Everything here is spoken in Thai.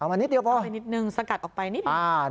มานิดเดียวพอไปนิดนึงสกัดออกไปนิดหนึ่ง